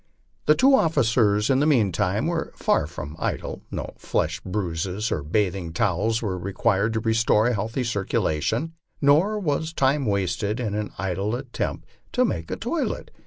The two officers in the meanwhile were far from idle; no flesh brushes or bathing towels were re quired to restore a healthy circulation, nor was time wasted in an idle attempt to make a toilet.